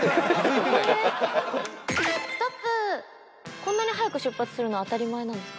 こんなに早く出発の当たり前なんですか？